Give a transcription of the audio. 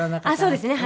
そうですね。